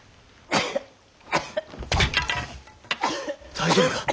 大丈夫か？